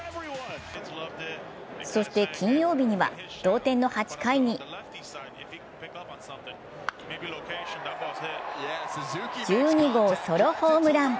そして金曜日には、同点の８回に１２号ソロホームラン。